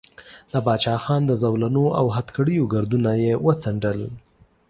د باچا خان د زولنو او هتکړیو ګردونه یې وڅنډل.